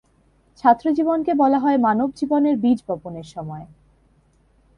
ছাত্রজীবনকে বলা হয় মানবজীবনের বীজ বপণের সময়।